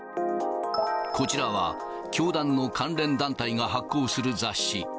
こちらは、教団の関連団体が発行する雑誌。